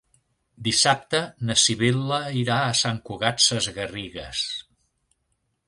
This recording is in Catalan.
Dissabte na Sibil·la irà a Sant Cugat Sesgarrigues.